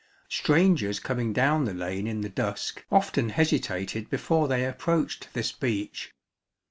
Strangers coming down the lane in the dusk often hesitated before they approached this beech.